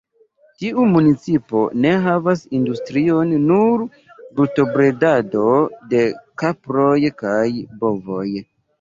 Tiu municipo ne havas industrion, nur brutobredado de kaproj kaj bovoj.